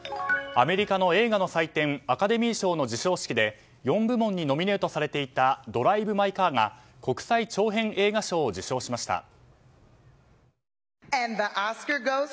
アメリカの映画の祭典アカデミー賞の授賞式で４部門にノミネートされていた「ドライブ・マイ・カー」が国際長編映画賞を受賞しました。